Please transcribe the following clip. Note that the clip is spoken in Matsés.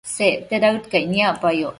Secte daëd caic niacpayoc